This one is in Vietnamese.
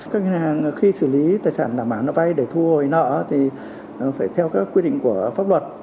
các ngân hàng khi xử lý tài sản đảm bảo nó vay để thu hồi nợ thì phải theo các quy định của pháp luật